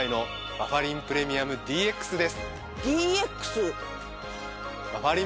バファリンプレミアムＤＸは。